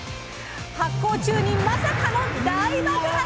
発酵中にまさかの大爆発⁉うわっ！